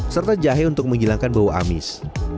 serta jahe untuk menghilangkan bau amis